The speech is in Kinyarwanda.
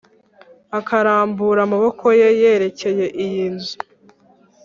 akarambura amaboko ye yerekeye iyi nzu;